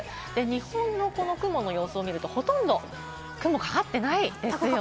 日本のこの雲の様子を見ると、ほとんど雲がかかってないですよね。